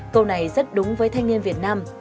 câu này rất đúng với thanh niên việt nam